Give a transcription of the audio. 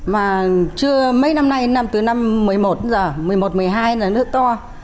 mà chưa mấy năm nay từ năm một mươi một giờ một mươi một một mươi hai là nó to